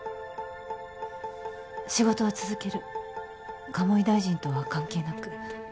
仕事は続ける鴨井大臣とは関係なく。